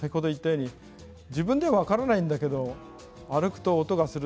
自分では分からないんだけれども歩くと音がする。